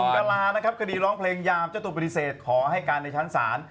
กรานะครับคดีร้องเพลงยามเจ้าตัวปฏิเสธขอให้การในชั้นศาล